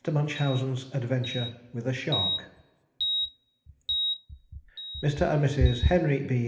MUNCHAUSEN'S ADVENTURE WITH A SHARK Mr. and Mrs. Henry B.